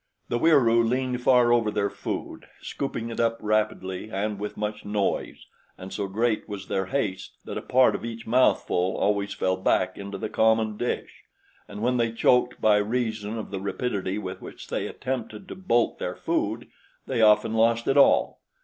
The Wieroo leaned far over their food, scooping it up rapidly and with much noise, and so great was their haste that a part of each mouthful always fell back into the common dish; and when they choked, by reason of the rapidity with which they attempted to bolt their food, they often lost it all.